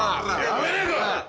やめねえか！！